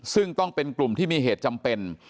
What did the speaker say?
ซึ่งต้องเป็นกลุ่มที่มีเหตุจำเป็น